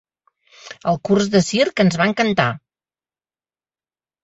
El curs de circ ens va encantar.